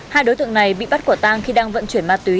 hai đối tượng này bị bắt quả tang khi đang vận chuyển ma túy